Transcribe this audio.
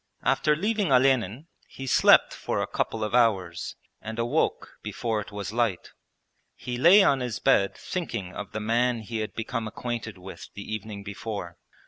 After leaving Olenin he slept for a couple of hours and awoke before it was light. He lay on his bed thinking of the man he had become acquainted with the evening before.